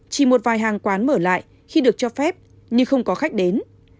chỉ một vài hàng quán mở lại khi được cho phép nhưng không có khách đến